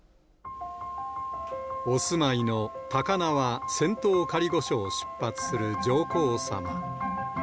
お住まいの高輪・仙洞仮御所を出発する上皇さま。